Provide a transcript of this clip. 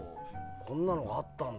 こんなのがあったんだ。